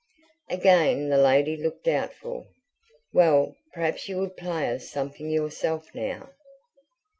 Again the lady looked doubtful. "Well, perhaps you would play us something yourself now?"